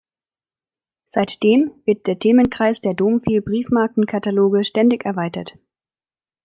Seitdem wird der Themenkreis der Domfil-Briefmarkenkataloge ständig erweitert.